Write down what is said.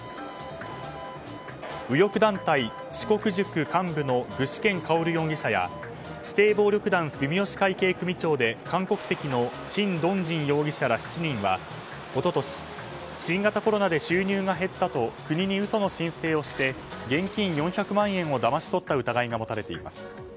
右翼団体、志国塾幹部の具志堅馨容疑者や指定暴力団住吉会系組長で韓国籍のチン・ドンジン容疑者ら７人は一昨年、新型コロナで収入が減ったと国に嘘の申請をして現金４００万円をだまし取った疑いが持たれています。